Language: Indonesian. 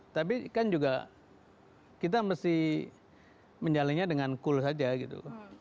tapi kan juga kita mesti menjalinnya dengan cool saja gitu